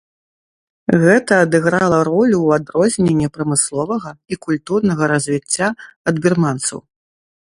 Гэта адыграла ролю ў адрозненні прамысловага і культурнага развіцця ад бірманцаў.